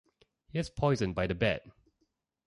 Here's poison by the bed!